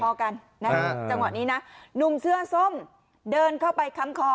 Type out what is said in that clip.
พอกันนะฮะจังหวะนี้นะหนุ่มเสื้อส้มเดินเข้าไปค้ำคอ